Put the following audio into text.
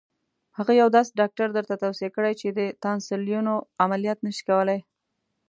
هغه یو داسې ډاکټر درته توصیه کړي چې د تانسیلونو عملیات نه شي کولای.